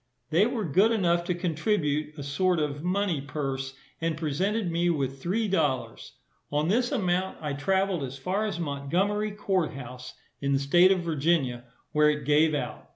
They were good enough to contribute a sort of money purse, and presented me with three dollars. On this amount I travelled as far as Montgomery court house, in the state of Virginia, where it gave out.